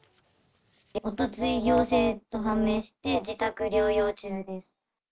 おととい陽性と判明して、自宅療養中です。